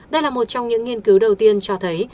đây là một trong những nghiên cứu đầu tiên cho thấy